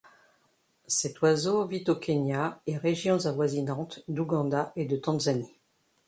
Cet oiseau vit au Kenya et régions avoisinantes d'Ouganda et de Tanzanie.